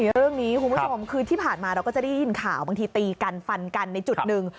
เรื่องนี้คุณผู้ชมคือที่ผ่านมาเราก็จะได้ยินข่าวบางทีตีกันฟันกันในจุดหนึ่ง